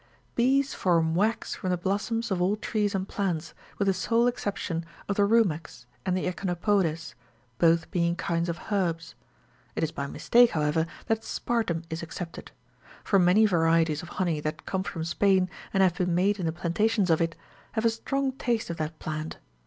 Bees form wax18 from the blossoms of all trees and plants, with the sole exception of the rumex19 and the echinopodes,*0 both being kinds of herbs. It is by mistake, however, that spartum is excepted ;21 for many varieties of honey that come from Spain, and have been made in the plantations of it, have a strong taste of that plant.